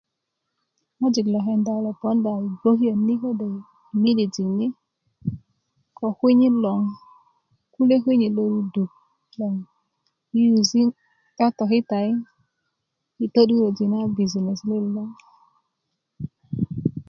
ŋojik lo kenda kulo ponda yi gbokiot ni kode' yi midijik ni ko kwinyit loŋ kule kwinyit lo luduk loŋ i yusi totokitai yi to'durjö na busiess let lo